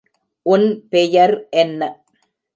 உன் பெயர் என்ன?